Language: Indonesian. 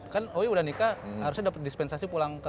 kan owe udah nikah harusnya dapat dispensasi pulang ke rumah